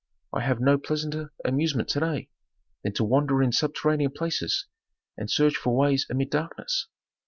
I have no pleasanter amusement to day than to wander in subterranean places and search for ways amid darkness.